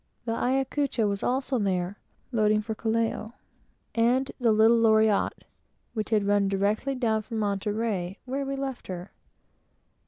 The Ayacucho was also there, loading for Callao, and the little Loriotte, which had run directly down from Monterey, where we left her.